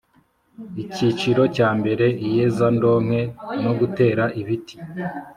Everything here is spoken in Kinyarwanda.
Icyiciro cya mbere Iyezandonke no gutera ibiti